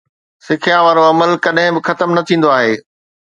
سکيا وارو عمل ڪڏهن به ختم نه ٿيندو آهي